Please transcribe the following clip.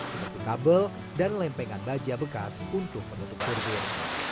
seperti kabel dan lempengan baja bekas untuk penutupan